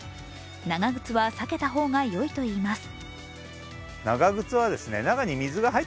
長靴は避けた方がいいといいます。